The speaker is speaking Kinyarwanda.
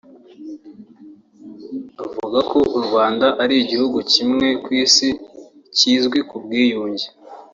avuga ko u Rwanda ari igihugu kimwe ku Isi kizwi ku bwiyunge